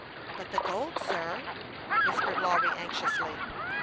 " But the gold, sir ?" whispered Lawry, anxiously.